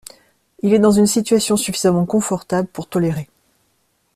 Il est dans une situation suffisamment confortable pour tolérer.